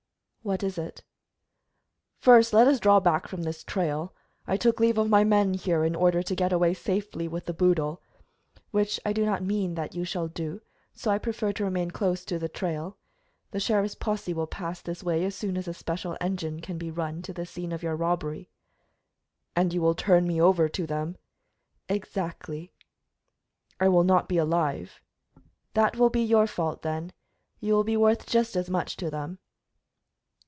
"What is it?" "First let us draw back from this trail. I took leave of my men here in order to get away safely with the boodle " "Which I do not mean that you shall do, so I prefer to remain close to the trail. The sheriff's posse will pass this way as soon as a special engine can be run to the scene of your robbery." "And you will turn me over to them?" "Exactly." "I will not be alive." "That will be your fault, then. You will be worth just as much to them."